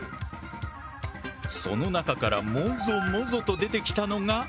その中からもぞもぞと出てきたのが針。